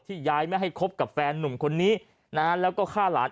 ยายไม่ให้คบกับแฟนนุ่มคนนี้นะฮะแล้วก็ฆ่าหลาน